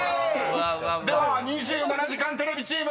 では２７時間テレビチーム］